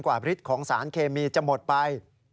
ฤทธิ์ของสารเคมีจะหมดไป